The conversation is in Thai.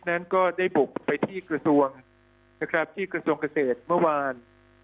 นั้นก็ได้บุกไปที่กระทรวงนะครับที่กระทรวงเกษตรเมื่อวาน